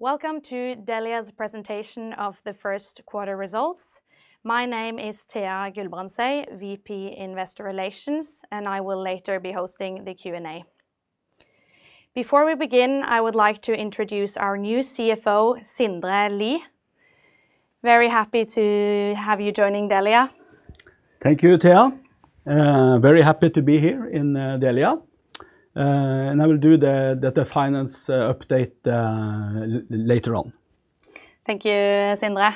Welcome to Dellia's presentation of the first quarter results. My name is Thea Guldbrandsøy, VP Investor Relations, and I will later be hosting the Q&A. Before we begin, I would like to introduce our new CFO, Sindre Li. Very happy to have you joining Dellia. Thank you, Thea. Very happy to be here in Dellia, and I will do the finance update later on. Thank you, Sindre.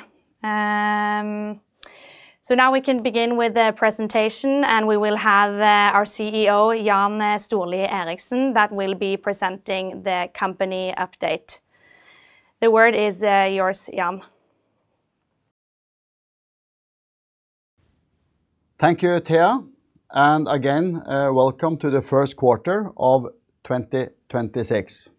Now we can begin with the presentation, and we will have our CEO, Jan Storli Eriksen, that will be presenting the company update. The word is yours, Jan. Thank you, Thea. Again, welcome to the first quarter of 2026.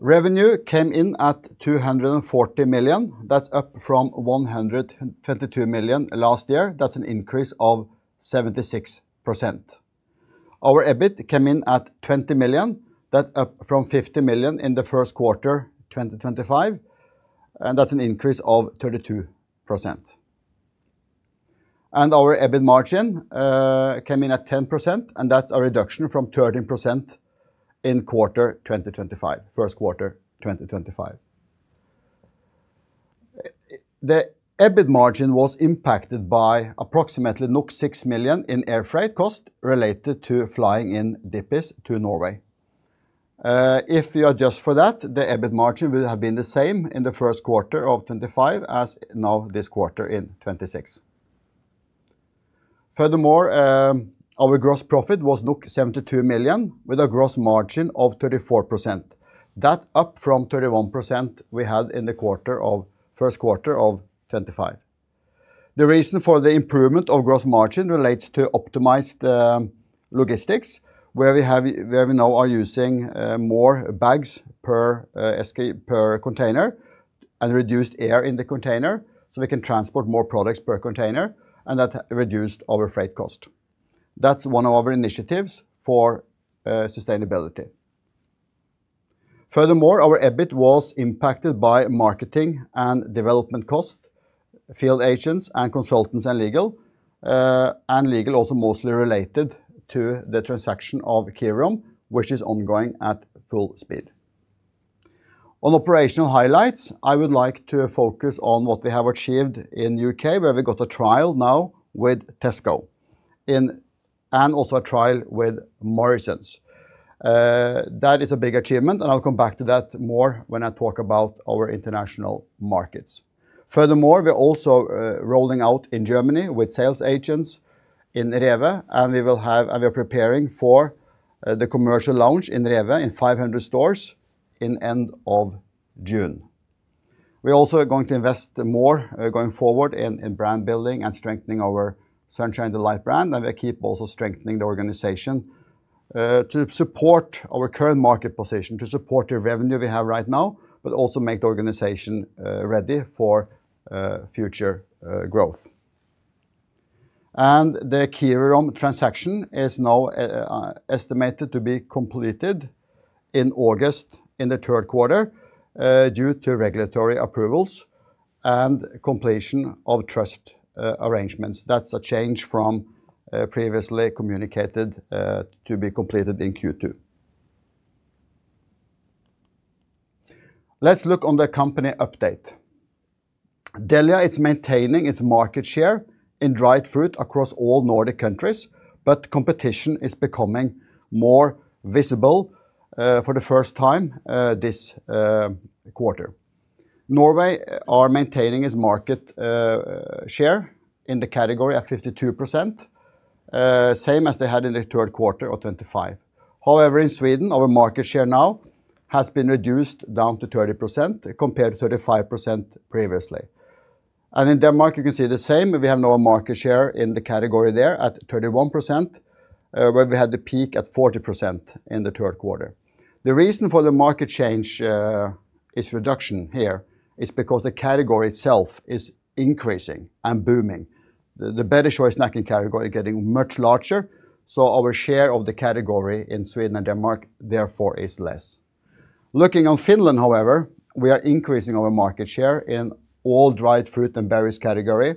Revenue came in at 214 million. That's up from 122 million last year. That's an increase of 76%. Our EBIT came in at 20 million. That's up from 15 million in the first quarter 2025. That's an increase of 32%. Our EBIT margin came in at 10%. That's a reduction from 13% in first quarter 2025. The EBIT margin was impacted by approximately 6 million in air freight cost related to flying in Dippies to Norway. If you adjust for that, the EBIT margin would have been the same in the first quarter of 2025 as now this quarter in 2026. Furthermore, our gross profit was 72 million, with a gross margin of 34%. That's up from 31% we had in the first quarter of 2025. The reason for the improvement of gross margin relates to optimized logistics, where we now are using more bags per container and reduced air in the container, so we can transport more products per container, and that reduced our freight cost. That's one of our initiatives for sustainability. Furthermore, our EBIT was impacted by marketing and development cost, field agents and consultants and legal. Legal also mostly related to the transaction of Kirirom, which is ongoing at full speed. On operational highlights, I would like to focus on what we have achieved in U.K., where we got a trial now with Tesco and also a trial with Morrisons. That is a big achievement, and I'll come back to that more when I talk about our international markets. We're also rolling out in Germany with sales agents in REWE, and we are preparing for the commercial launch in REWE in 500 stores in end of June. We also are going to invest more, going forward, in brand building and strengthening our Sunshine Delights brand. We keep also strengthening the organization to support our current market position, to support the revenue we have right now, but also make the organization ready for future growth. The Kirirom transaction is now estimated to be completed in August in the third quarter due to regulatory approvals and completion of trust arrangements. That's a change from previously communicated to be completed in Q2. Let's look on the company update. Dellia is maintaining its market share in dried fruit across all Nordic countries. Competition is becoming more visible for the first time this quarter. Norway are maintaining its market share in the category at 52%, same as they had in the third quarter of 2025. However, in Sweden, our market share now has been reduced down to 30%, compared to 35% previously. In Denmark, you can see the same. We have now a market share in the category there at 31%, where we had the peak at 40% in the third quarter. The reason for the market change is reduction here is because the category itself is increasing and booming. The better choice snacking category getting much larger, so our share of the category in Sweden and Denmark, therefore, is less. Looking on Finland, however, we are increasing our market share in all dried fruit and berries category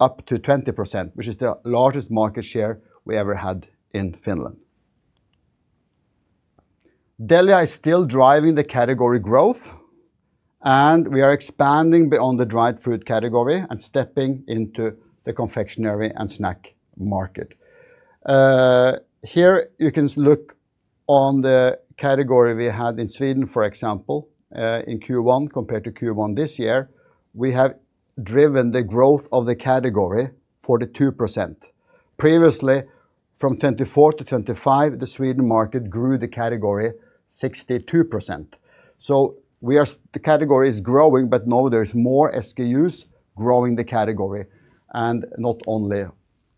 up to 20%, which is the largest market share we ever had in Finland. Dellia is still driving the category growth, we are expanding beyond the dried fruit category and stepping into the confectionery and snack market. Here you can look on the category we had in Sweden, for example, in Q1 compared to Q1 this year. We have driven the growth of the category 42%. Previously, from 2024 to 2025, the Sweden market grew the category 62%. The category is growing, now there's more SKUs growing the category and not only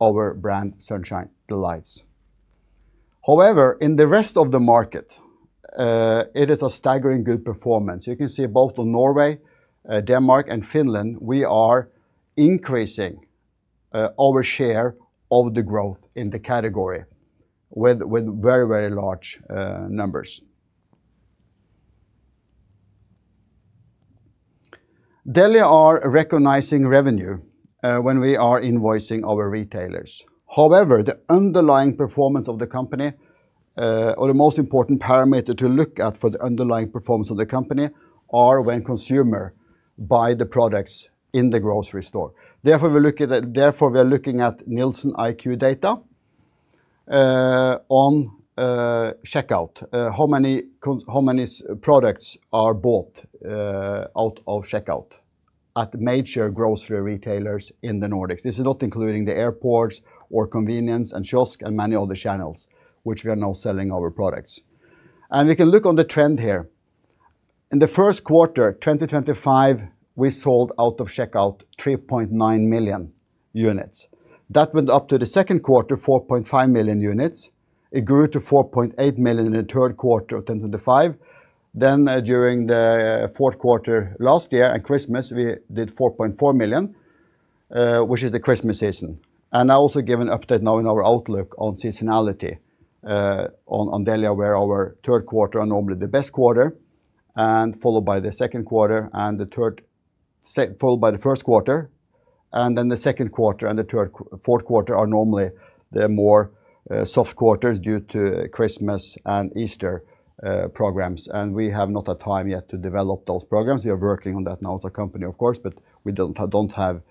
our brand, Sunshine Delights. In the rest of the market, it is a staggering good performance. You can see both on Norway, Denmark, and Finland, we are increasing our share of the growth in the category with very large numbers. Dellia are recognizing revenue when we are invoicing our retailers. The underlying performance of the company, or the most important parameter to look at for the underlying performance of the company, are when consumer buy the products in the grocery store. We are looking at NielsenIQ data on checkout. How many products are bought out of checkout at major grocery retailers in the Nordics? This is not including the airports or convenience and kiosk and many other channels which we are now selling our products. We can look on the trend here. In the first quarter 2025, we sold out of checkout 3.9 million units. That went up to the second quarter, 4.5 million units. It grew to 4.8 million in the third quarter of 2025. During the fourth quarter last year and Christmas, we did 4.4 million, which is the Christmas season. I also give an update now in our outlook on seasonality, on Dellia, where our third quarter are normally the best quarter, and followed by the first quarter, and then the second quarter and the fourth quarter are normally the more soft quarters due to Christmas and Easter programs. We have not a time yet to develop those programs. We are working on that now as a company, of course, but we don't have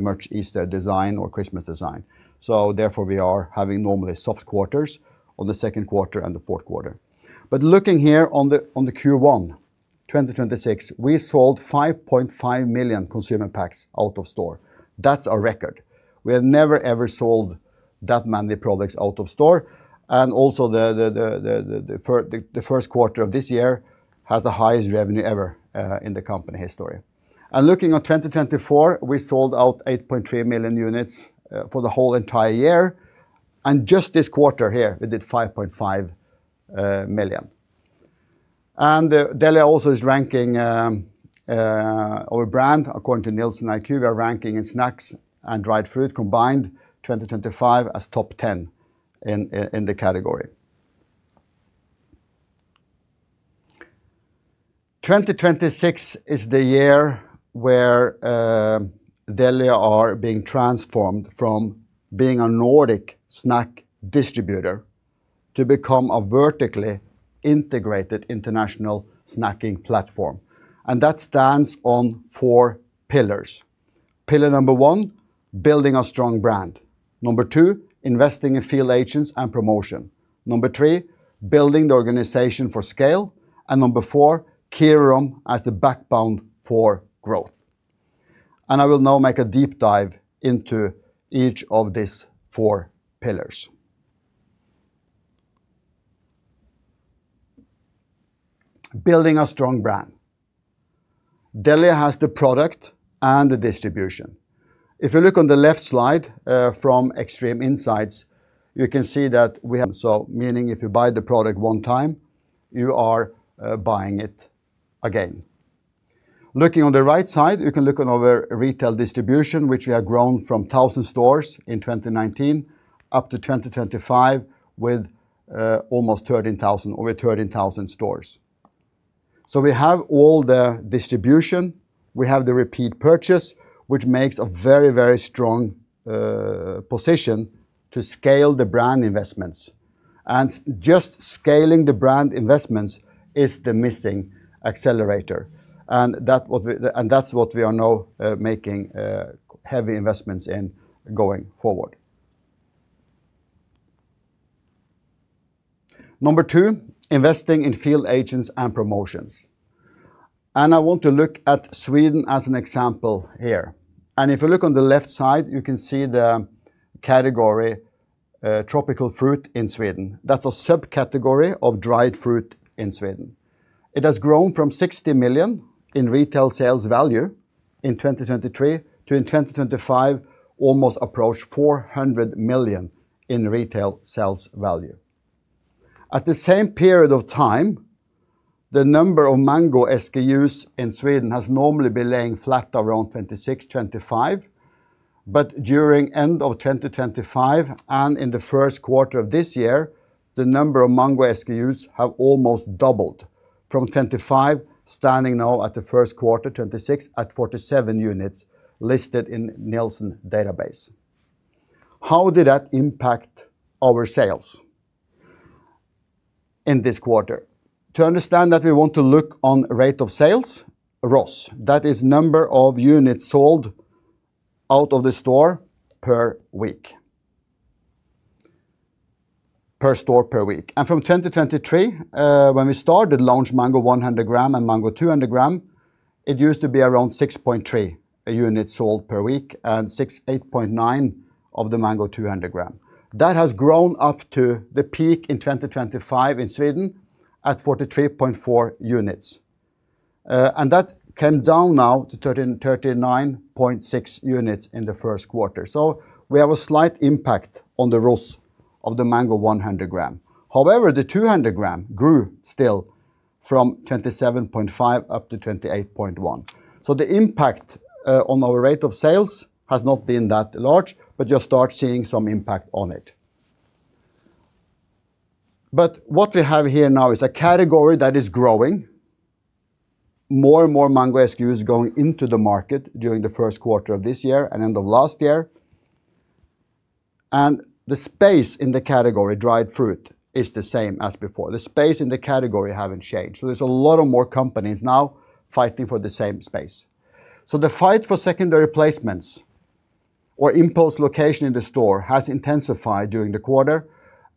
much Easter design or Christmas design. Therefore, we are having normally soft quarters on the second quarter and the fourth quarter. Looking here on the Q1 2026, we sold 5.5 million consumer packs out of store. That's a record. We have never, ever sold that many products out of store. Also the first quarter of this year has the highest revenue ever in the company history. Looking at 2024, we sold out 8.3 million units for the whole entire year. Just this quarter here, we did 5.5 million. Dellia also is ranking our brand, according to NielsenIQ, we are ranking in snacks and dried fruit combined 2025 as top 10 in the category. 2026 is the year where Dellia are being transformed from being a Nordic snack distributor to become a vertically integrated international snacking platform. That stands on four pillars. Pillar number one, building a strong brand. Number two, investing in field agents and promotion. Number three, building the organization for scale. Number four, Kirirom as the backbone for growth. I will now make a deep dive into each of these four pillars. Building a strong brand. Dellia has the product and the distribution. If you look on the left slide from Xtreme Insight, you can see that we have, so meaning if you buy the product one time, you are buying it again. Looking on the right side, you can look on our retail distribution, which we have grown from 1,000 stores in 2019 up to 2025 with over 13,000 stores. We have all the distribution, we have the repeat purchase, which makes a very strong position to scale the brand investments. Just scaling the brand investments is the missing accelerator. That's what we are now making heavy investments in going forward. Number two, investing in field agents and promotions. I want to look at Sweden as an example here. If you look on the left side, you can see the category, tropical fruit in Sweden. That's a subcategory of dried fruit in Sweden. It has grown from 60 million in retail sales value in 2023 to in 2025, almost approach 400 million in retail sales value. At the same period of time, the number of Mango SKUs in Sweden has normally been laying flat around 26, 25 units, but during end of 2025 and in the first quarter of this year, the number of Mango SKUs have almost doubled from 2025, standing now at the first quarter 2026, at 47 units listed in Nielsen database. How did that impact our sales in this quarter? To understand that, we want to look on rate of sales, ROS. That is number of units sold out of the store per store, per week. From 2023, when we started launch Mango 100g and Mango 200g, it used to be around 6.3 units sold per week and 8.9 units of the Mango 200g. That has grown up to the peak in 2025 in Sweden at 43.4 units. That came down now to 39.6 units in the first quarter. We have a slight impact on the ROS of the Mango 100g. However, the Mango 200g grew still from 27.5 units up to 28.1 units. The impact on our rate of sales has not been that large, but you'll start seeing some impact on it. What we have here now is a category that is growing. More and more Mango SKUs going into the market during the first quarter of this year and end of last year. The space in the category, dried fruit, is the same as before. The space in the category haven't changed. There's a lot of more companies now fighting for the same space. The fight for secondary placements or impulse location in the store has intensified during the quarter.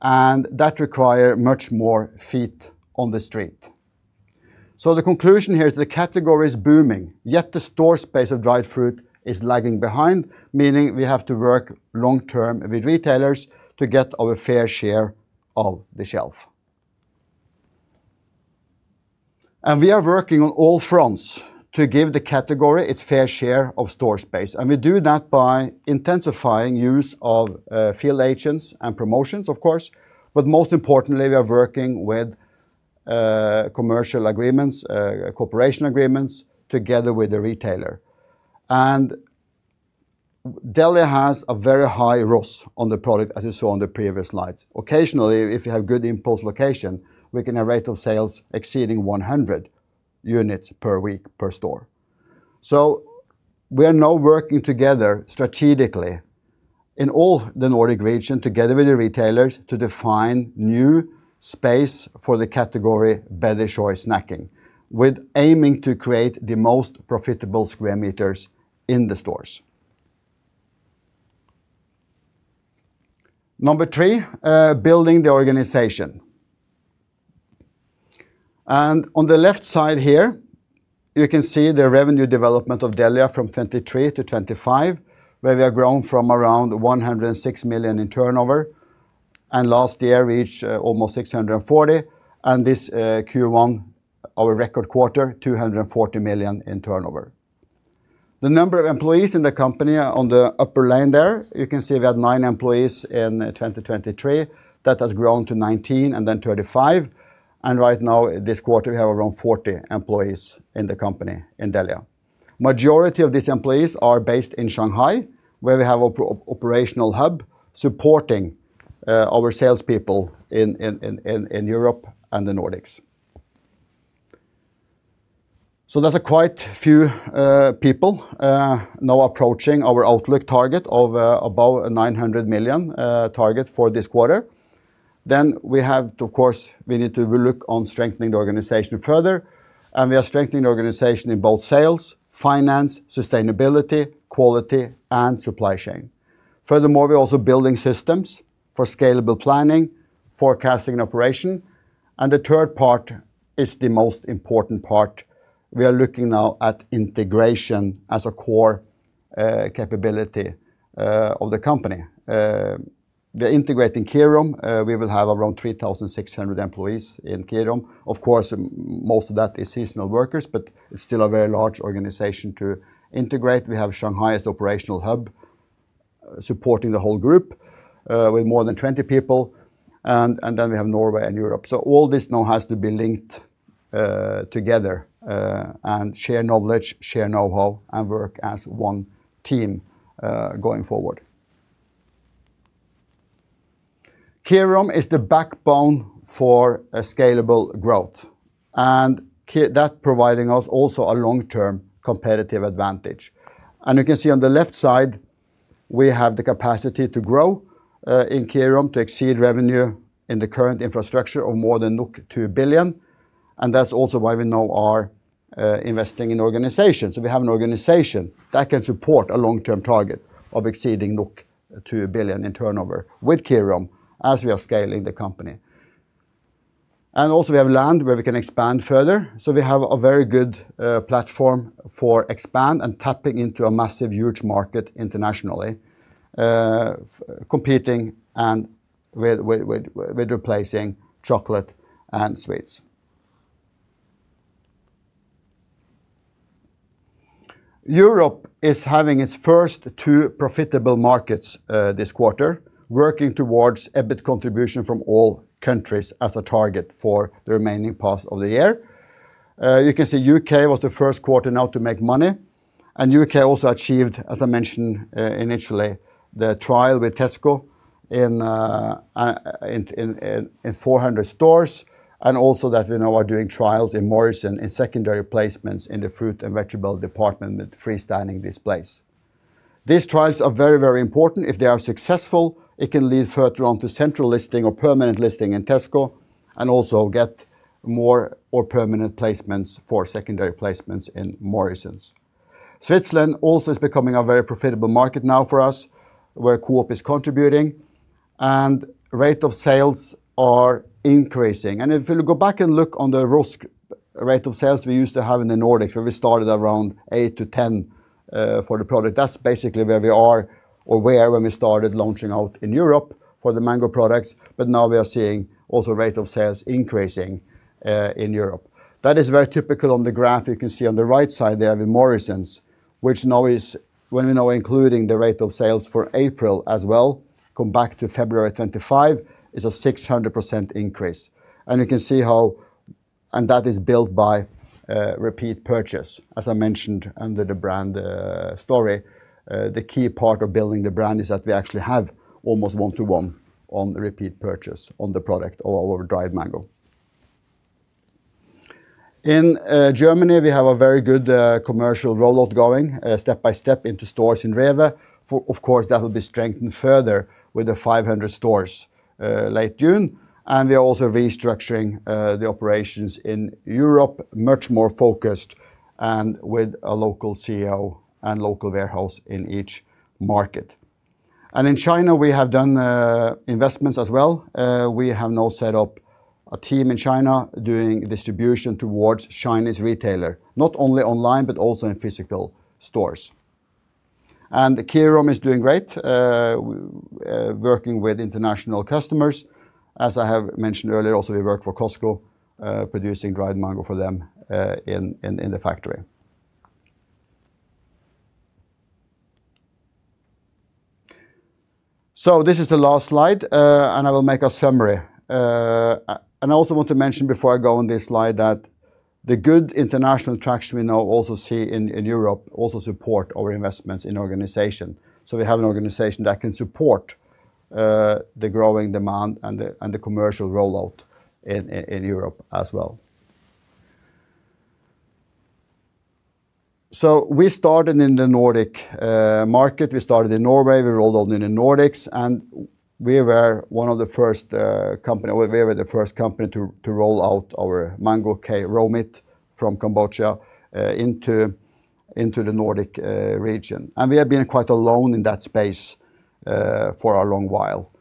That require much more feet on the street. The conclusion here is the category is booming, yet the store space of dried fruit is lagging behind, meaning we have to work long-term with retailers to get our fair share of the shelf. We are working on all fronts to give the category its fair share of store space. We do that by intensifying use of field agents and promotions, of course, but most importantly, we are working with commercial agreements, cooperation agreements together with the retailer. Dellia has a very high ROS on the product, as you saw on the previous slides. Occasionally, if you have good impulse location, we can have rate of sales exceeding 100 units per week per store. We are now working together strategically in all the Nordic region, together with the retailers to define new space for the category better choice snacking, with aiming to create the most profitable square meters in the stores. Number three, building the organization. On the left side here, you can see the revenue development of Dellia from 2023 to 2025, where we have grown from around 106 million in turnover, and last year reached almost 640 million, and this Q1, our record quarter, 214 million in turnover. The number of employees in the company on the upper line there, you can see we had nine employees in 2023. That has grown to 19 and then 25. Right now, this quarter, we have around 40 employees in the company in Dellia. Majority of these employees are based in Shanghai, where we have operational hub supporting our salespeople in Europe and the Nordics. That's a quite few people now approaching our outlook target of above 900 million target for this quarter. We have, of course, we need to look on strengthening the organization further, and we are strengthening the organization in both sales, finance, sustainability, quality and supply chain. Furthermore, we're also building systems for scalable planning, forecasting and operation. The third part is the most important part. We are looking now at integration as a core capability of the company. The integrating Kirirom, we will have around 3,600 employees in Kirirom. Of course, most of that is seasonal workers, but it's still a very large organization to integrate. We have Shanghai as the operational hub supporting the whole group, with more than 20 people. Then we have Norway and Europe. All this now has to be linked together, and share knowledge, share knowhow, and work as one team going forward. Kirirom is the backbone for a scalable growth, that providing us also a long-term competitive advantage. You can see on the left side, we have the capacity to grow in Kirirom to exceed revenue in the current infrastructure of more than 2 billion. That's also why we now are investing in organizations. We have an organization that can support a long-term target of exceeding 2 billion in turnover with Kirirom as we are scaling the company. Also we have land where we can expand further, so we have a very good platform for expand and tapping into a massive, huge market internationally, competing and with replacing chocolate and sweets. Europe is having its first two profitable markets this quarter, working towards EBIT contribution from all countries as a target for the remaining part of the year. You can see U.K. was the first quarter now to make money, and U.K. also achieved, as I mentioned initially, the trial with Tesco in 400 stores, and also that we now are doing trials in Morrisons in secondary placements in the fruit and vegetable department with free-standing displays. These trials are very important. If they are successful, it can lead further on to central listing or permanent listing in Tesco and also get more or permanent placements for secondary placements in Morrisons. Switzerland also is becoming a very profitable market now for us, where Coop is contributing and rate of sales are increasing. If we go back and look on the ROS rate of sales we used to have in the Nordics, where we started around eight to 10 for the product, that's basically where we are or were when we started launching out in Europe for the Mango products, but now we are seeing also rate of sales increasing in Europe. That is very typical on the graph. You can see on the right side there with Morrisons, which now is, when we now including the rate of sales for April as well, come back to February 25, is a 600% increase. That is built by repeat purchase, as I mentioned under the brand story. The key part of building the brand is that we actually have almost one-to-one on the repeat purchase on the product of our dried Mango. In Germany, we have a very good commercial rollout going, step by step into stores in REWE. Of course, that will be strengthened further with the 500 stores late June. We are also restructuring the operations in Europe, much more focused and with a local CEO and local warehouse in each market. In China, we have done investments as well. We have now set up a team in China doing distribution towards Chinese retailer, not only online, but also in physical stores. The Kirirom is doing great, working with international customers. As I have mentioned earlier, also, we work for Costco, producing dried Mango for them in the factory. This is the last slide, and I will make a summary. I also want to mention before I go on this slide that the good international traction we now also see in Europe also support our investments in organization. We have an organization that can support the growing demand and the commercial rollout in Europe as well. We started in the Nordic market. We started in Norway, we rolled out in the Nordics, we were the first company to roll out our Mango Kirirom raw material from Cambodia into the Nordic region. We have been quite alone in that space for a long while.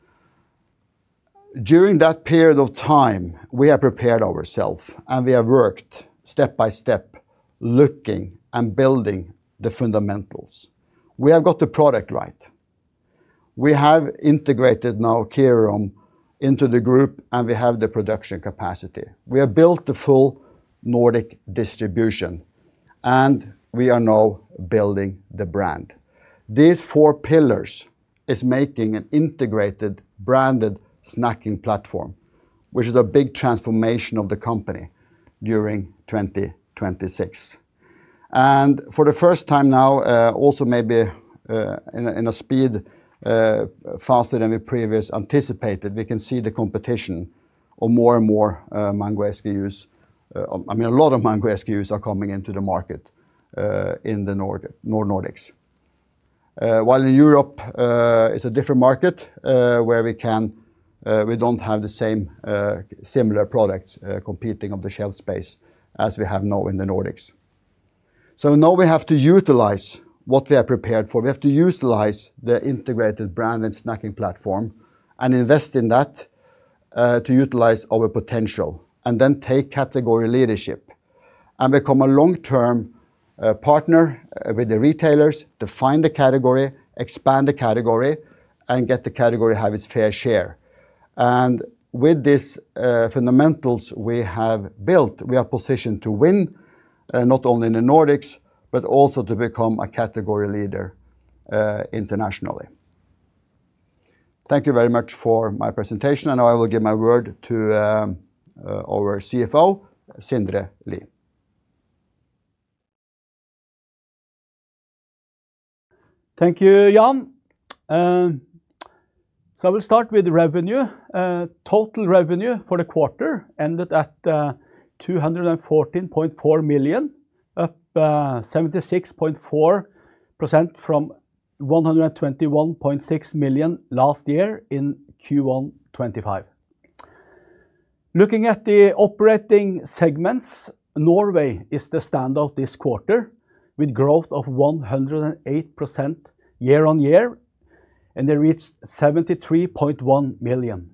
During that period of time, we have prepared ourself, we have worked step by step looking and building the fundamentals. We have got the product right. We have integrated now Kirirom into the group, we have the production capacity. We have built the full Nordic distribution, and we are now building the brand. These four pillars is making an integrated branded snacking platform, which is a big transformation of the company during 2026. For the first time now, also maybe in a speed faster than we previous anticipated, we can see the competition of more and more Mango SKUs. A lot of Mango SKUs are coming into the market in the Nordics. While in Europe, it's a different market, where we don't have the similar products competing of the shelf space as we have now in the Nordics. Now we have to utilize what we are prepared for. We have to utilize the integrated brand and snacking platform and invest in that to utilize our potential, and then take category leadership and become a long-term partner with the retailers, define the category, expand the category, and get the category have its fair share. With this fundamentals we have built, we are positioned to win, not only in the Nordics, but also to become a category leader internationally. Thank you very much for my presentation, and now I will give my word to our CFO, Sindre Li. Thank you, Jan. I will start with revenue. Total revenue for the quarter ended at 214.4 million, up 76.4% from 121.6 million last year in Q1 2025. Looking at the operating segments, Norway is the standout this quarter, with growth of 108% year-on-year, and they reached 73.1 million.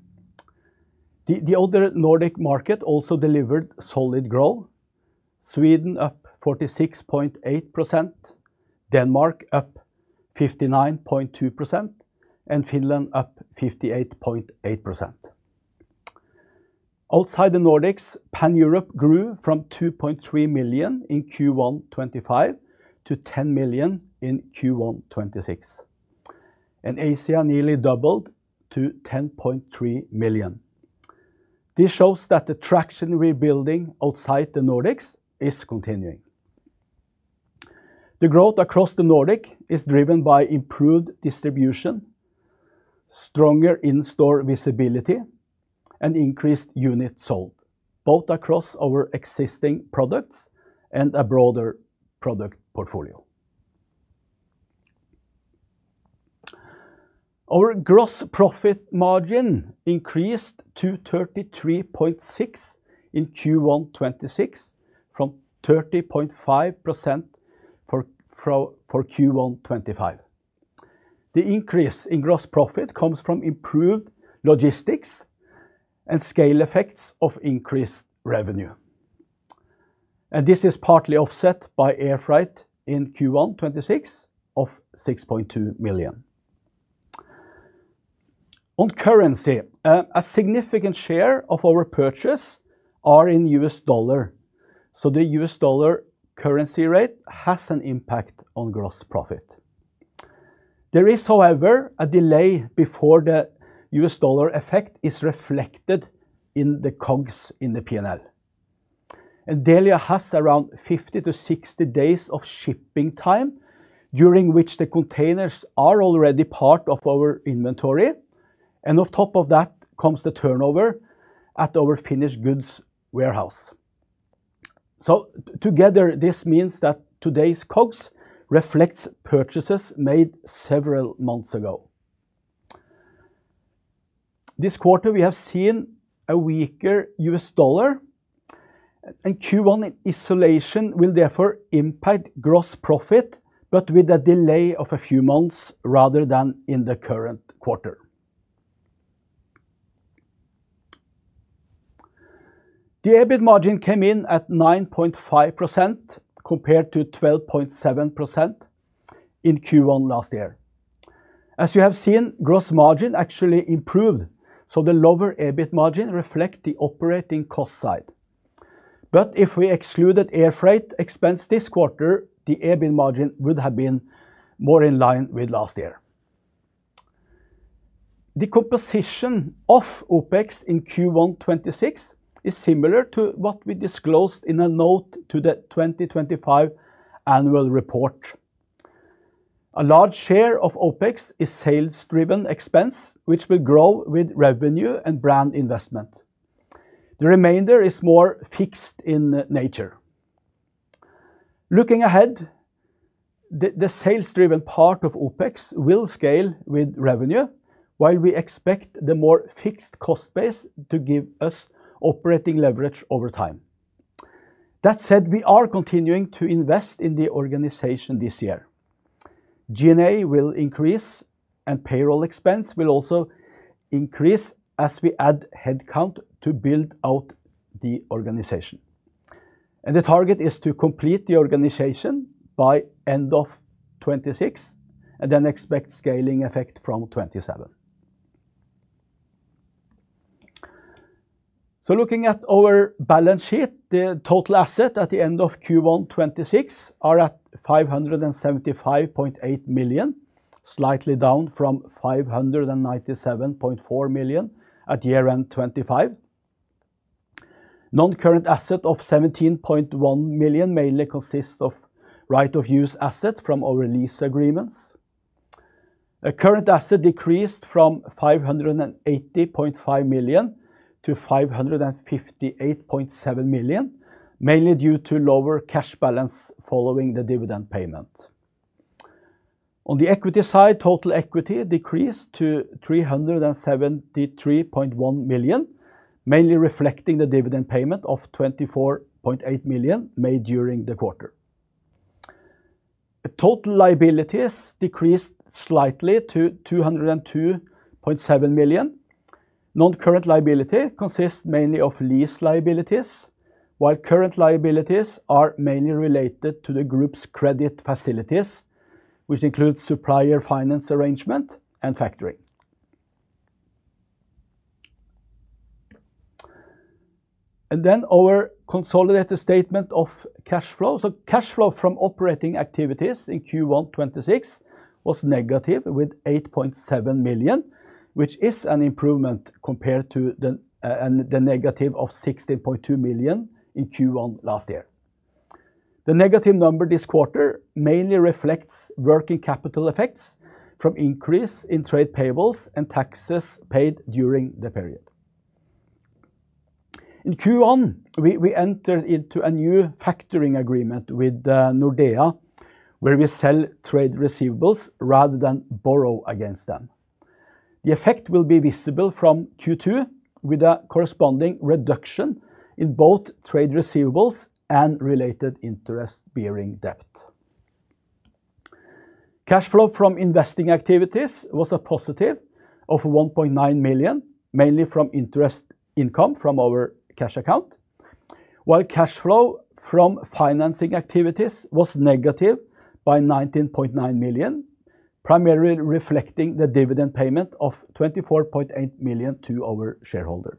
The other Nordic market also delivered solid growth. Sweden up 46.8%, Denmark up 59.2%, and Finland up 58.8%. Outside the Nordics, Pan-Europe grew from 2.3 million in Q1 2025 to 10 million in Q1 2026. Asia nearly doubled to 10.3 million. This shows that the traction we're building outside the Nordics is continuing. The growth across the Nordic is driven by improved distribution, stronger in-store visibility, and increased units sold, both across our existing products and a broader product portfolio. Our gross profit margin increased to 33.6% in Q1 2026 from 30.5% for Q1 2025. The increase in gross profit comes from improved logistics and scale effects of increased revenue. This is partly offset by air freight in Q1 2026 of NOK 6.2 million. On currency, a significant share of our purchase are in U.S. dollar. The U.S. dollar currency rate has an impact on gross profit. There is, however, a delay before the U.S. dollar effect is reflected in the COGS in the P&L. Dellia has around 50 to 60 days of shipping time, during which the containers are already part of our inventory, and on top of that comes the turnover at our finished goods warehouse. Together, this means that today's COGS reflects purchases made several months ago. This quarter, we have seen a weaker U.S. dollar, and Q1 in isolation will therefore impact gross profit, but with a delay of a few months rather than in the current quarter. The EBIT margin came in at 9.5% compared to 12.7% in Q1 last year. As you have seen, gross margin actually improved. The lower EBIT margin reflect the operating cost side. If we excluded air freight expense this quarter, the EBIT margin would have been more in line with last year. The composition of OpEx in Q1 2026 is similar to what we disclosed in a note to the 2025 annual report. A large share of OpEx is sales-driven expense, which will grow with revenue and brand investment. The remainder is more fixed in nature. Looking ahead, the sales-driven part of OpEx will scale with revenue, while we expect the more fixed cost base to give us operating leverage over time. That said, we are continuing to invest in the organization this year. G&A will increase, payroll expense will also increase as we add headcount to build out the organization. The target is to complete the organization by end of 2026, expect scaling effect from 2027. Looking at our balance sheet, the total asset at the end of Q1 2026 are at 575.8 million, slightly down from 597.4 million at year-end 2025. Non-current asset of 17.1 million mainly consists of right of use asset from our lease agreements. A current asset decreased from 580.5 million to 558.7 million, mainly due to lower cash balance following the dividend payment. On the equity side, total equity decreased to 373.1 million, mainly reflecting the dividend payment of 24.8 million made during the quarter. Total liabilities decreased slightly to 202.7 million. Non-current liability consists mainly of lease liabilities, while current liabilities are mainly related to the group's credit facilities, which includes supplier finance arrangement and factoring. Our consolidated statement of cash flow. Cash flow from operating activities in Q1 2026 was -8.7 million, which is an improvement compared to the -16.2 million in Q1 last year. The negative number this quarter mainly reflects working capital effects from increase in trade payables and taxes paid during the period. In Q1, we entered into a new factoring agreement with Nordea, where we sell trade receivables rather than borrow against them. The effect will be visible from Q2 with a corresponding reduction in both trade receivables and related interest-bearing debt. Cash flow from investing activities was a positive of 1.9 million, mainly from interest income from our cash account, while cash flow from financing activities was negative by 19.9 million, primarily reflecting the dividend payment of 24.8 million to our shareholder.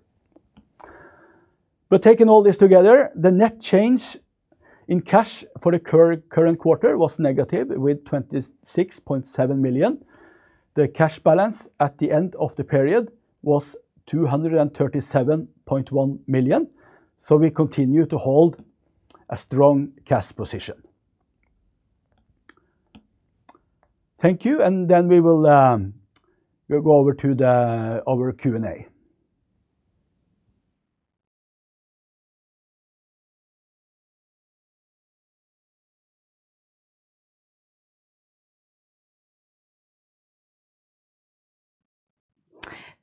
Taking all this together, the net change in cash for the current quarter was negative with 26.7 million. The cash balance at the end of the period was 237.1 million. We continue to hold a strong cash position. Thank you. We will go over to our Q&A.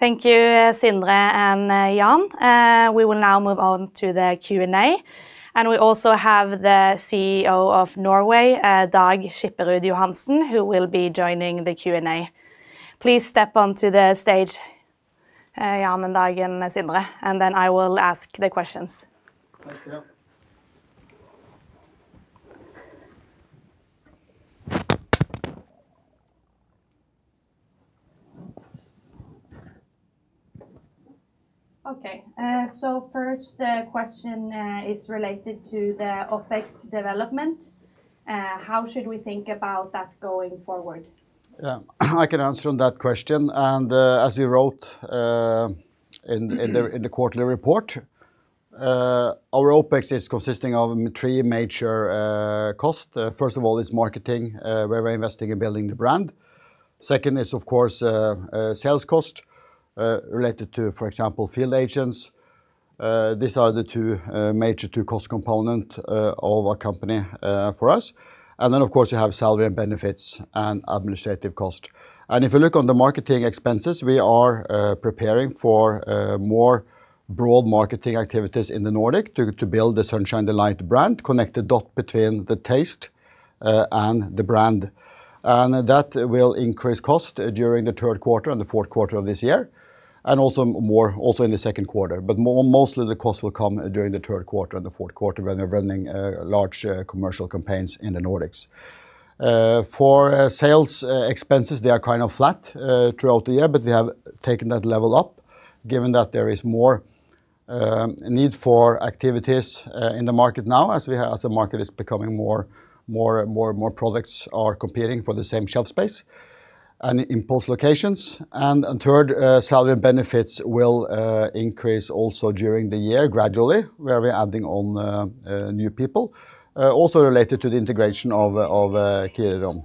Thank you, Sindre and Jan. We will now move on to the Q&A, and we also have the CEO of Norway, Dag Skipperud Johansen, who will be joining the Q&A. Please step onto the stage, Jan, Dag, and Sindre, and then I will ask the questions. Thanks. Yeah Okay. First, the question is related to the OpEx development. How should we think about that going forward? Yeah. I can answer on that question, and as we wrote in the quarterly report, our OpEx is consisting of three major costs. First of all is marketing, where we're investing in building the brand. Second is, of course, sales cost, related to, for example, field agents. These are the two major cost components of a company for us. Then, of course, you have salary and benefits and administrative cost. If you look on the marketing expenses, we are preparing for more broad marketing activities in the Nordic to build the Sunshine Delights brand, connect the dot between the taste and the brand. That will increase cost during the third quarter and the fourth quarter of this year, and also more in the second quarter. Mostly the cost will come during the third quarter and the fourth quarter when we're running large commercial campaigns in the Nordics. For sales expenses, they are kind of flat throughout the year, but we have taken that level up given that there is more need for activities in the market now as the market is becoming more and more products are competing for the same shelf space and impulse locations. Third, salary and benefits will increase also during the year gradually, where we're adding on new people, also related to the integration of Kirirom.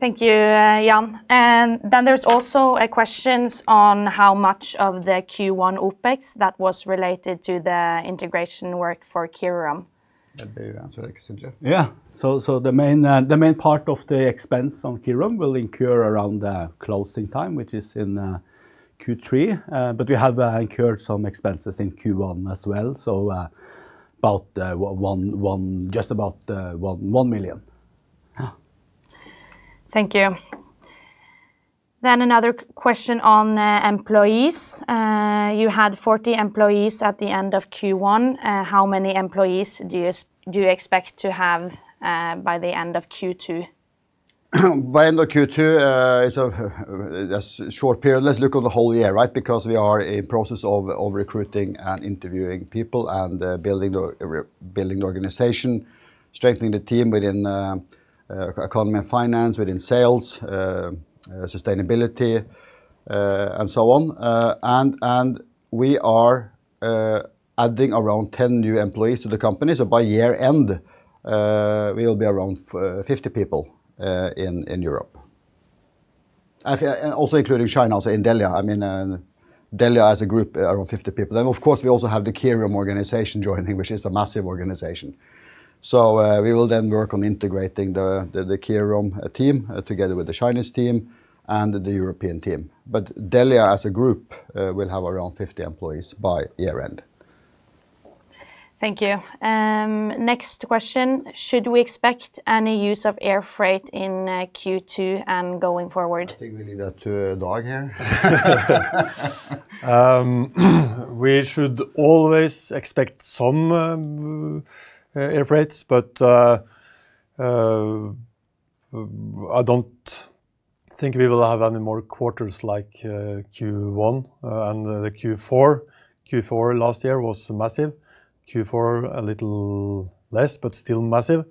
Thank you, Jan. Then there's also a question on how much of the Q1 OpEx that was related to the integration work for Kirirom. Maybe you answer that, Sindre. Yeah. The main part of the expense on Kirirom will incur around the closing time, which is in Q3. We have incurred some expenses in Q1 as well, just about 1 million. Yeah. Thank you. Another question on employees. You had 40 employees at the end of Q1. How many employees do you expect to have by the end of Q2? By end of Q2, that's a short period. Let's look on the whole year, right? We are in process of recruiting and interviewing people and building the organization, strengthening the team within economy and finance, within sales, sustainability, and so on. We are adding around 10 new employees to the company. By year-end, we will be around 50 people in Europe. Also including China, also in Dellia. Dellia as a group, around 50 people. Of course, we also have the Kirirom organization joining, which is a massive organization. We will then work on integrating the Kirirom team together with the Chinese team and the European team. Dellia, as a group, will have around 50 employees by year-end. Thank you. Next question, should we expect any use of air freight in Q2 and going forward? I think we leave that to Dag here. We should always expect some air freights, but I don't think we will have any more quarters like Q1 and the Q4. Q4 last year was massive. Q4, a little less, but still massive.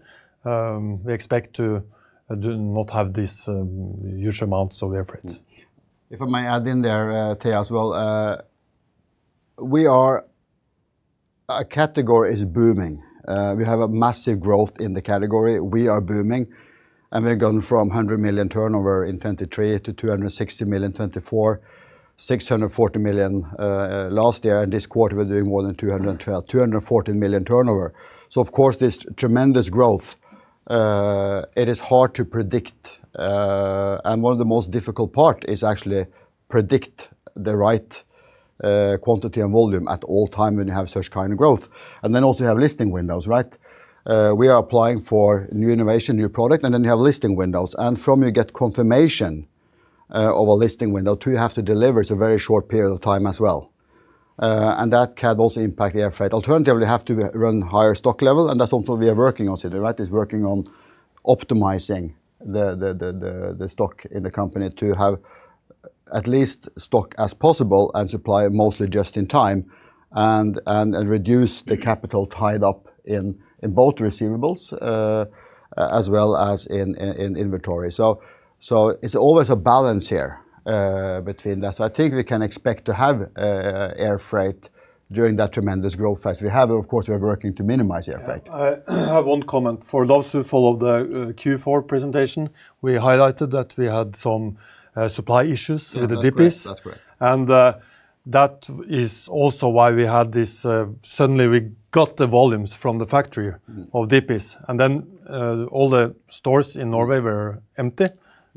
We expect to not have these huge amounts of air freight. If I may add in there, Thea, as well. Our category is booming. We have a massive growth in the category. We are booming, we've gone from 100 million turnover in 2023 to 260 million in 2024, 640 million last year, and this quarter we're doing more than 212 million, 214 million turnover. Of course, this tremendous growth, it is hard to predict. One of the most difficult part is actually predict the right quantity and volume at all time when you have such kind of growth. Also you have listing windows, right? We are applying for new innovation, new product, we have listing windows. From you get confirmation of a listing window till you have to deliver is a very short period of time as well. That can also impact the air freight. Alternatively, we have to run higher stock level, and that's also we are working on, right, is working on optimizing the stock in the company to have at least stock as possible and supply mostly just in time and reduce the capital tied up in both receivables, as well as in inventory. It's always a balance here between that, so I think we can expect to have air freight during that tremendous growth phase. Of course, we are working to minimize air freight. I have one comment. For those who followed the Q4 presentation, we highlighted that we had some supply issues. Yeah ....with the Dippies. That's correct. That is also why we had this, suddenly we got the volumes from the factory of Dippies, then all the stores in Norway were empty,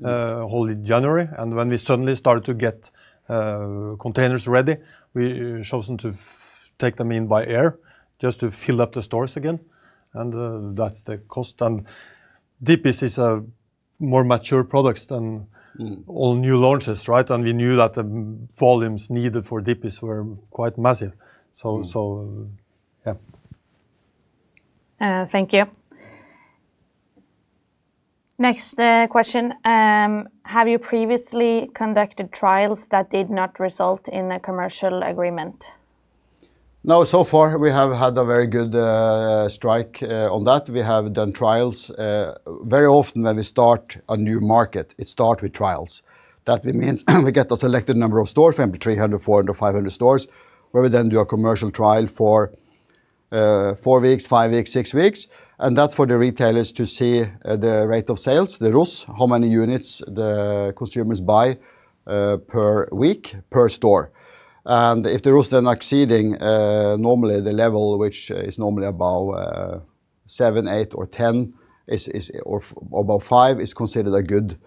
all in January. When we suddenly started to get containers ready, we chosen to take them in by air just to fill up the stores again, that's the cost. Dippies is a more mature products than all new launches. We knew that the volumes needed for Dippies were quite massive. Thank you. Next question. Have you previously conducted trials that did not result in a commercial agreement? No. So far, we have had a very good strike on that. We have done trials. Very often when we start a new market, it start with trials. That means we get a selected number of stores, from 300, 400, 500 stores, where we then do a commercial trial for four weeks, five weeks, six weeks, and that's for the retailers to see the rate of sales, the ROS, how many units the consumers buy per week per store. If the ROS then exceeding normally the level, which is normally about seven, eight or 10 units, or above five is considered a good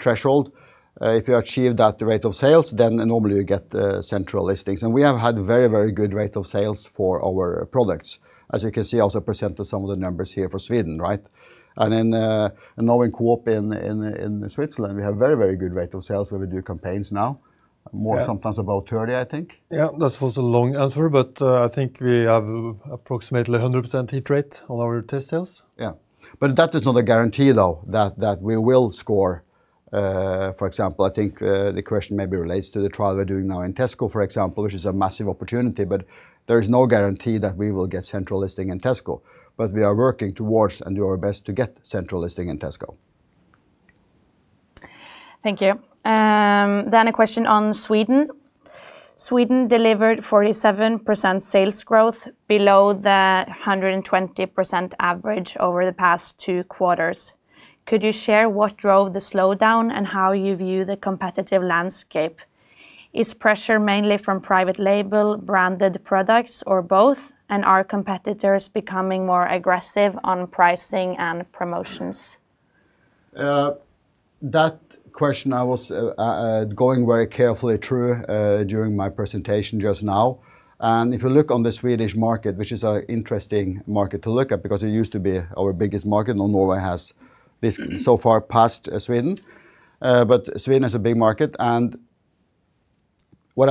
threshold. If you achieve that rate of sales, then normally you get central listings. We have had very good rate of sales for our products. As you can see, I also presented some of the numbers here for Sweden. Now in Coop in Switzerland, we have very good rate of sales where we do campaigns now, more sometimes about 30, I think. Yeah. This was a long answer. I think we have approximately 100% hit rate on our test sales. Yeah. That is not a guarantee, though, that we will score. For example, I think the question maybe relates to the trial we're doing now in Tesco, for example, which is a massive opportunity, but there is no guarantee that we will get central listing in Tesco. We are working towards and do our best to get central listing in Tesco. Thank you. A question on Sweden. Sweden delivered 47% sales growth below the 120% average over the past two quarters. Could you share what drove the slowdown and how you view the competitive landscape? Is pressure mainly from private label, branded products, or both? Are competitors becoming more aggressive on pricing and promotions? That question I was going very carefully through during my presentation just now. If you look on the Swedish market, which is an interesting market to look at because it used to be our biggest market, now Norway has basically so far passed Sweden. Sweden is a big market. What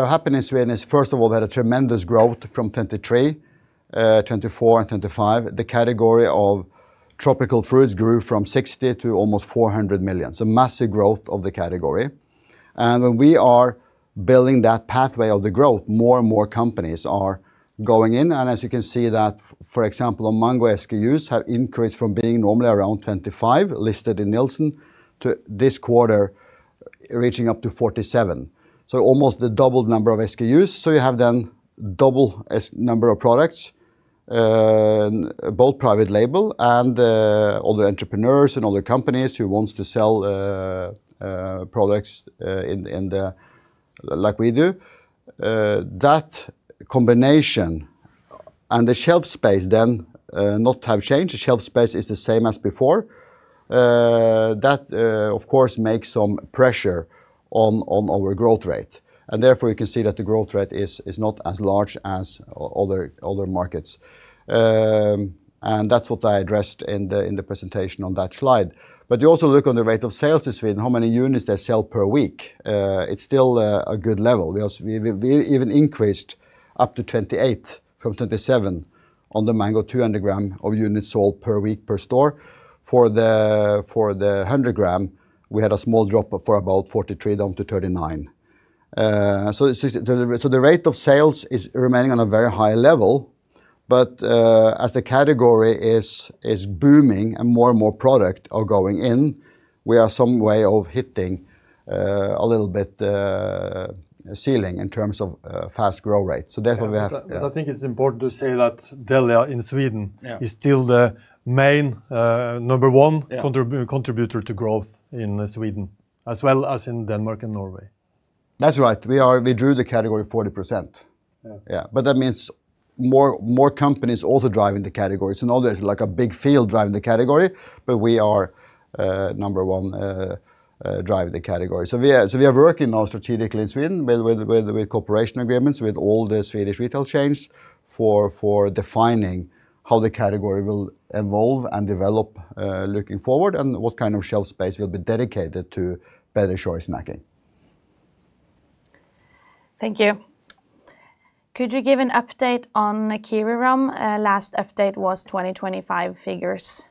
have happened in Sweden is, first of all, they had a tremendous growth from 2023, 2024 and 2025. The category of tropical fruits grew from 60 million to almost 400 million. Massive growth of the category. We are building that pathway of the growth. More and more companies are going in, and as you can see that, for example, Mango SKUs have increased from being normally around 25 listed in Nielsen, to this quarter reaching up to 47. Almost the doubled number of SKUs. You have then double number of products, both private label and other entrepreneurs and other companies who wants to sell products like we do. That combination and the shelf space then not have changed, the shelf space is the same as before. That of course, makes some pressure on our growth rate, and therefore you can see that the growth rate is not as large as other markets. That's what I addressed in the presentation on that slide. You also look on the rate of sales in Sweden, how many units they sell per week. It's still a good level. We even increased up to 28 from 27 on the Mango 200g of units sold per week per store. For the Mango 100g, we had a small drop for about 43 down to 39. The rate of sales is remaining on a very high level, but as the category is booming and more and more product are going in, we are some way of hitting a little bit, ceiling in terms of fast growth rates. Therefore we have- I think it's important to say that Dellia in Sweden is still the main, number one contributor to growth in Sweden as well as in Denmark and Norway. That's right. We drew the category 40%. Yeah. That means more companies also drive in the category. Now there's like a big field drive in the category, but we are number one drive in the category. We are working now strategically in Sweden with cooperation agreements, with all the Swedish retail chains for defining how the category will evolve and develop, looking forward, and what kind of shelf space will be dedicated to better choice snacking. Thank you. Could you give an update on Kirirom? Last update was 2025 figures.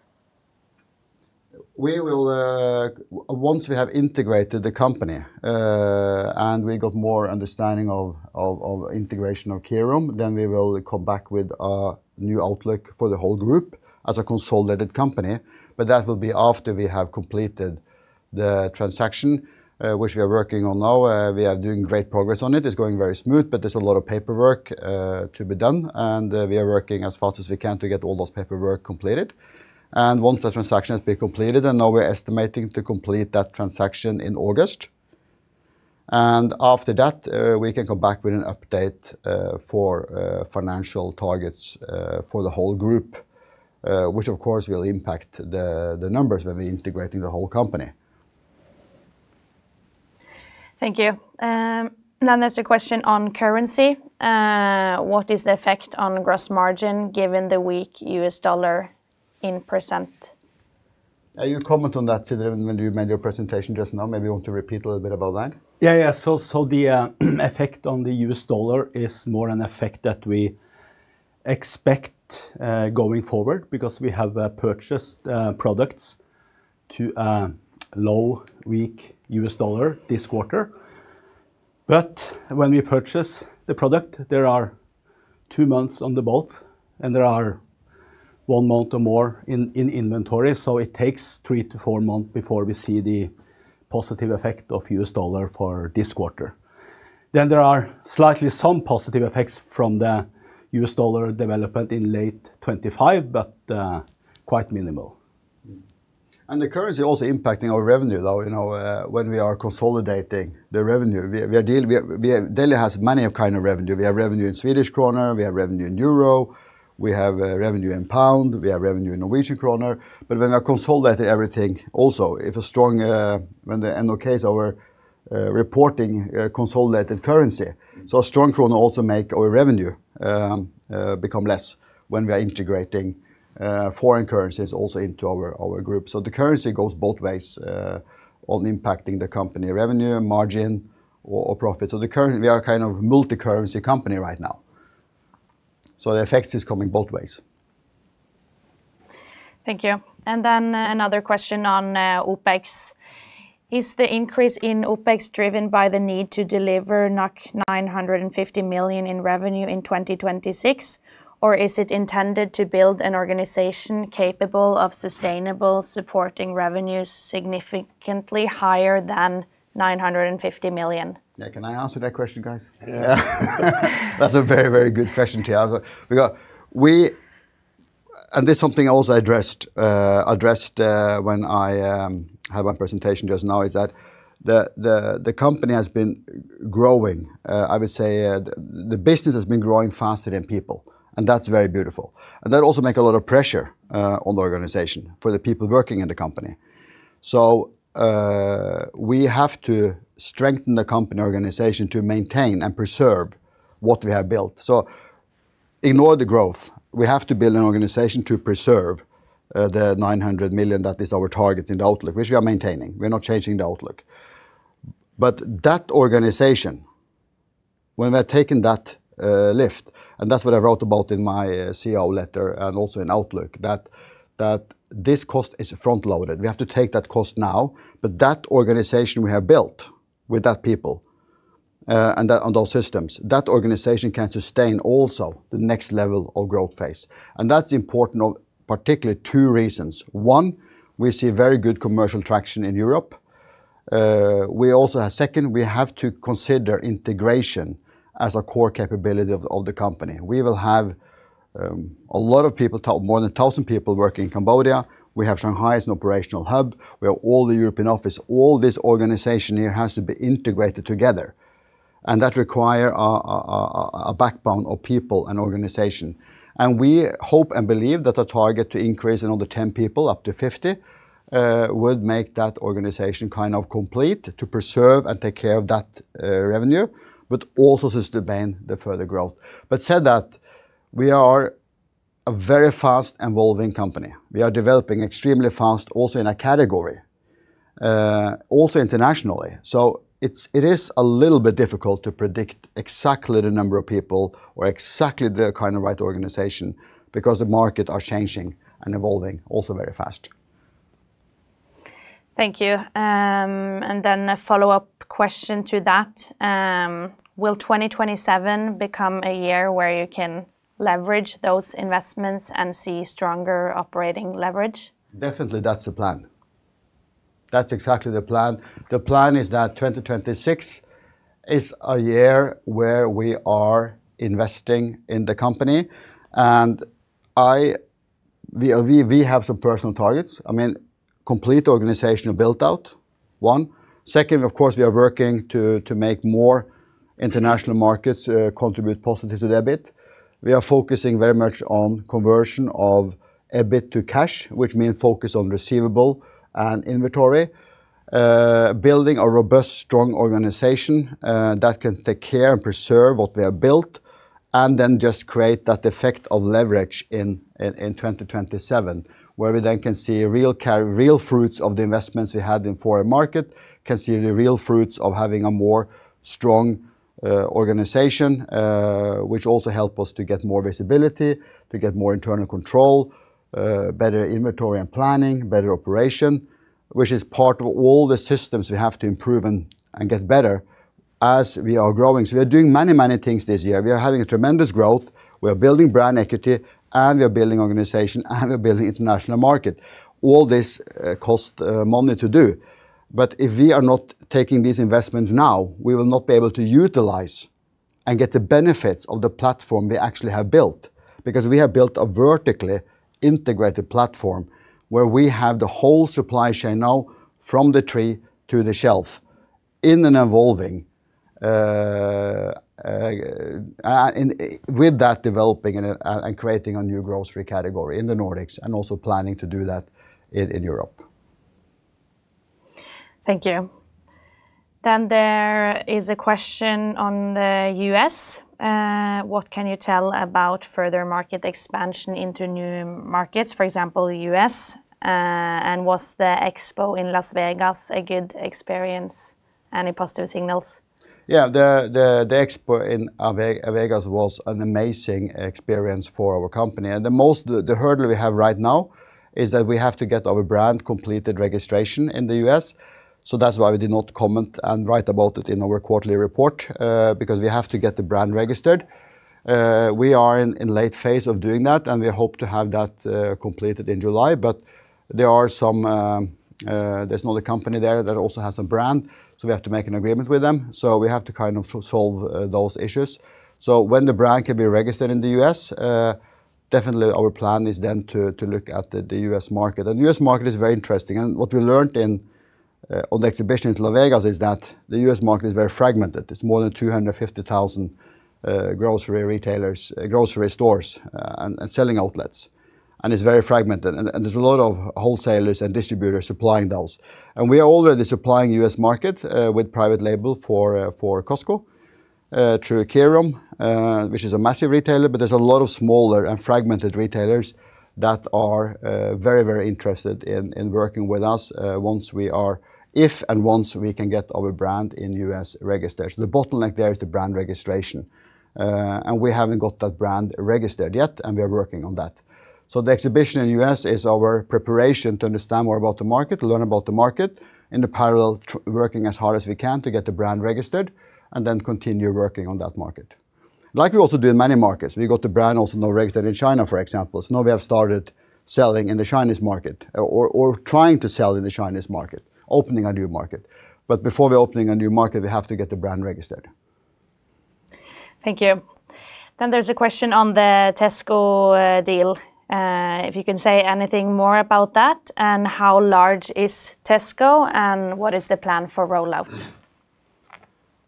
Once we have integrated the company, we got more understanding of integration of Kirirom, we will come back with a new outlook for the whole group as a consolidated company. That will be after we have completed the transaction, which we are working on now. We are doing great progress on it. It's going very smooth, there's a lot of paperwork to be done, we are working as fast as we can to get all those paperwork completed. Once the transaction has been completed, now we're estimating to complete that transaction in August. After that, we can come back with an update, for financial targets for the whole group, which of course will impact the numbers when we integrating the whole company. Thank you. There's a question on currency. What is the effect on gross margin given the weak U.S. dollar in percent? You comment on that, Sindre, when you made your presentation just now, maybe you want to repeat a little bit about that? The effect on the U.S. dollar is more an effect that we expect going forward because we have purchased products to a low weak U.S. dollar this quarter. When we purchase the product, there are two months on the boat, and there are one month or more in inventory. It takes three to four months before we see the positive effect of U.S. dollar for this quarter. There are slightly some positive effects from the U.S. dollar development in late 2025, but quite minimal. The currency also impacting our revenue, though, when we are consolidating the revenue. Dellia has many of kind of revenue. We have revenue in Swedish krona. We have revenue in euro. We have revenue in pound. We have revenue in Norwegian krona. When we are consolidating everything, also when the NOK is our reporting consolidated currency. A strong krona also make our revenue become less when we are integrating foreign currencies also into our group. The currency goes both ways on impacting the company revenue, margin, or profit. We are kind of multi-currency company right now. The effects is coming both ways. Thank you. Another question on OpEx. Is the increase in OpEx driven by the need to deliver 950 million in revenue in 2026? Is it intended to build an organization capable of sustainable supporting revenues significantly higher than 950 million? Yeah. Can I answer that question, guys? Yeah. That's a very good question to have. There's something I also addressed when I had my presentation just now, is that the company has been growing. I would say the business has been growing faster than people, and that's very beautiful. That also make a lot of pressure on the organization for the people working in the company. We have to strengthen the company organization to maintain and preserve what we have built. Ignore the growth. We have to build an organization to preserve the 900 million that is our target in the outlook, which we are maintaining. We're not changing the outlook. That organization, when we are taking that lift, and that's what I wrote about in my CEO letter and also in outlook, that this cost is front-loaded. We have to take that cost now, but that organization we have built with that people and those systems, that organization can sustain also the next level of growth phase. That's important of particularly two reasons. One, we see very good commercial traction in Europe. Second, we have to consider integration as a core capability of the company. We will have a lot of people, more than 1,000 people working in Cambodia. We have Shanghai as an operational hub, where all the European office, all this organization here has to be integrated together. That require a backbone of people and organization. We hope and believe that the target to increase another 10 people up to 50 would make that organization complete to preserve and take care of that revenue, but also sustain the further growth. Said that, we are a very fast evolving company. We are developing extremely fast also in a category, also internationally. It is a little bit difficult to predict exactly the number of people or exactly the kind of right organization because the market is changing and evolving also very fast. Thank you. A follow-up question to that. Will 2027 become a year where you can leverage those investments and see stronger operating leverage? Definitely, that's the plan. That's exactly the plan. The plan is that 2026 is a year where we are investing in the company, and we have some personal targets. Complete organizational build-out, one. Second, of course, we are working to make more international markets contribute positively to the EBIT. We are focusing very much on conversion of EBIT to cash, which mean focus on receivable and inventory. Building a robust, strong organization that can take care and preserve what we have built, and then just create that effect of leverage in 2027, where we then can see real fruits of the investments we had in foreign market, can see the real fruits of having a more strong organization, which also help us to get more visibility, to get more internal control, better inventory and planning, better operation, which is part of all the systems we have to improve and get better as we are growing. We are doing many things this year. We are having a tremendous growth. We are building brand equity, and we are building organization, and we are building international market. All this cost money to do. If we are not taking these investments now, we will not be able to utilize and get the benefits of the platform we actually have built because we have built a vertically integrated platform where we have the whole supply chain now from the tree to the shelf in an evolving. With that developing and creating a new grocery category in the Nordics and also planning to do that in Europe. Thank you. There is a question on the U.S. What can you tell about further market expansion into new markets, for example, the U.S., and was the expo in Las Vegas a good experience? Any positive signals? The expo in Vegas was an amazing experience for our company. The hurdle we have right now is that we have to get our brand completed registration in the U.S. That's why we did not comment and write about it in our quarterly report, because we have to get the brand registered. We are in late phase of doing that. We hope to have that completed in July. There's another company there that also has a brand. We have to make an agreement with them. We have to solve those issues. When the brand can be registered in the U.S., definitely our plan is then to look at the U.S. market. The U.S. market is very interesting. What we learned on the exhibition in Las Vegas is that the U.S. market is very fragmented. There's more than 250,000 grocery retailers, grocery stores, and selling outlets, and it's very fragmented, and there's a lot of wholesalers and distributors supplying those. We are already supplying U.S. market with private label for Costco through Kirirom, which is a massive retailer, but there are a lot of smaller and fragmented retailers that are very interested in working with us if and once we can get our brand in U.S. registration. The bottleneck there is the brand registration, and we haven't got that brand registered yet, and we are working on that. The exhibition in U.S. is our preparation to understand more about the market, learn about the market, in the parallel, working as hard as we can to get the brand registered and then continue working on that market. Like we also do in many markets, we got the brand also now registered in China, for example. Now we have started selling in the Chinese market or trying to sell in the Chinese market, opening a new market. Before we're opening a new market, we have to get the brand registered. Thank you. There's a question on the Tesco deal. If you can say anything more about that, and how large is Tesco, and what is the plan for rollout?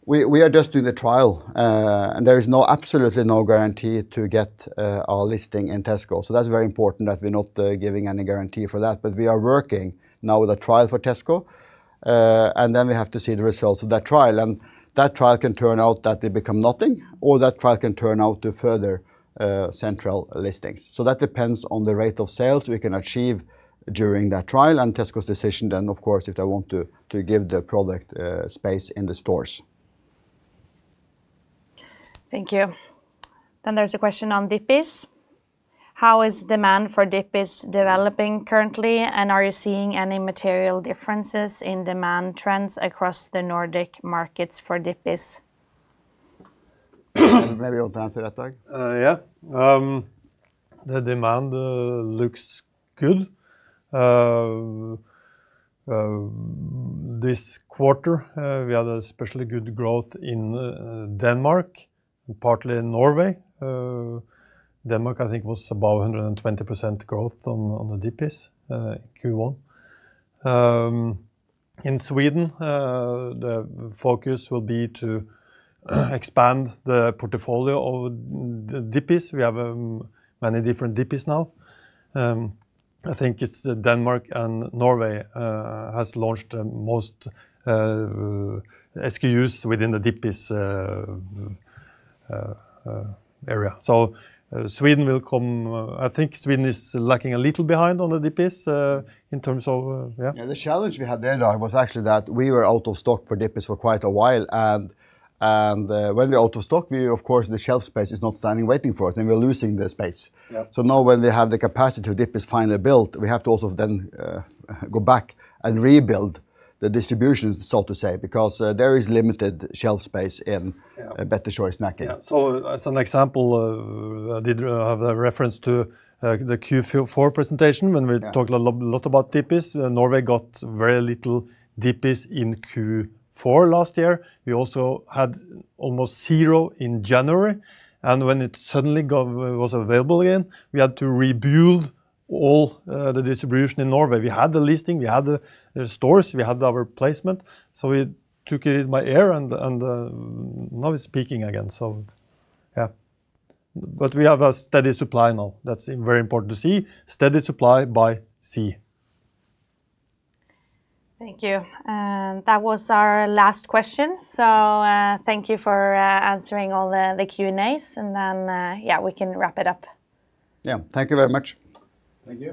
We are just doing the trial. There is absolutely no guarantee to get our listing in Tesco. That's very important that we're not giving any guarantee for that. We are working now with a trial for Tesco, and then we have to see the results of that trial, and that trial can turn out that they become nothing, or that trial can turn out to further central listings. That depends on the rate of sales we can achieve during that trial and Tesco's decision then, of course, if they want to give the product space in the stores. Thank you. There's a question on Dippies. How is demand for Dippies developing currently, and are you seeing any material differences in demand trends across the Nordic markets for Dippies? Maybe you want to answer that, Dag? The demand looks good. This quarter, we had especially good growth in Denmark, partly in Norway. Denmark, I think, was above 120% growth on the Dippies Q1. In Sweden, the focus will be to expand the portfolio of the Dippies. We have many different Dippies now. I think it's Denmark and Norway has launched most SKUs within the Dippies area. Sweden will come. I think Sweden is lagging a little behind on the Dippies in terms of. Yeah, the challenge we had there, Dag, was actually that we were out of stock for Dippies for quite a while, and when we're out of stock, of course, the shelf space is not standing waiting for us, then we're losing the space. Yeah. Now when we have the capacity of Dippies finally built, we have to also then go back and rebuild the distribution, so to say, because there is limited shelf space. Yeah ...better short snacking. Yeah. As an example, I did have a reference to the Q4 presentation when we talked a lot about Dippies. Norway got very little Dippies in Q4 last year. We also had almost zero in January, and when it suddenly was available again, we had to rebuild all the distribution in Norway. We had the listing, we had the stores, we had our placement, we took it by air, and now it's peaking again. We have a steady supply now. That's very important to see. Steady supply by sea. Thank you. That was our last question. Thank you for answering all the Q&As, and then, yeah, we can wrap it up. Yeah. Thank you very much. Thank you.